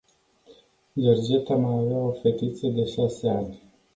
Georgeta mai avea o fetiță de șase ani.